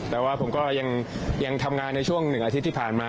แต่ว่าผมก็ยังทำงานในช่วง๑อาทิตย์ที่ผ่านมา